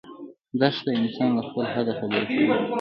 دښته انسان له خپل حده خبر کوي.